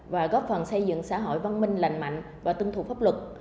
và góp phần xây dựng xã hội văn minh lành mạnh và tương thụ pháp luật